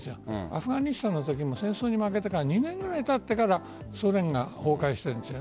アフガニスタンのときも戦争に負けてから２年ぐらいたってからソ連が崩壊しているんです。